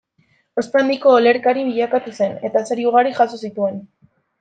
Ospe handiko olerkari bilakatu zen, eta sari ugari jaso zituen.